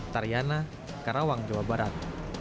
tariana karawang jawa barat